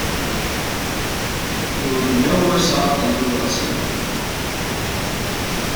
He will be no worse off than he was, you know.